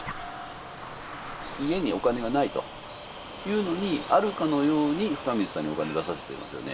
家にお金がないというのにあるかのように深水さんにお金出させていますよね。